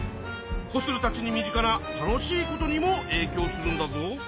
コスルたちに身近な楽しいことにもえいきょうするんだぞ。